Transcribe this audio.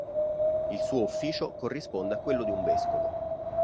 Il suo ufficio corrisponde a quello di un vescovo.